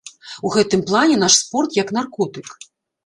У гэтым плане наш спорт як наркотык.